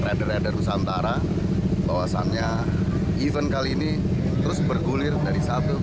rider rider nusantara bahwasannya event kali ini terus bergulir dari satu ke